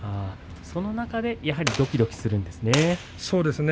その中でどきどきするんですね。